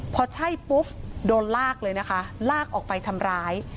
พอใช่ปุ๊บโดนลากเลยนะคะลากออกไปทำร้าย